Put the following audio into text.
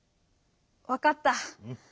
わかった。